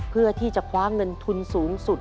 เพื่อที่จะคว้าเงินทุนสูงสุด